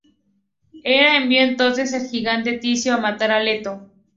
Hera envió entonces al gigante Ticio a matar a Leto.